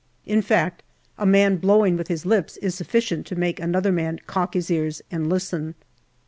In fact, a man blowing with his lips is sufficient to make another man cock his ears and listen.